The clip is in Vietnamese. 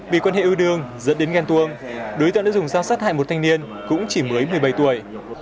vì quan hệ ưu đường dẫn đến ghen tuông đối tượng đã dùng dao sát hại một thanh niên cũng chỉ mới một mươi bảy tuổi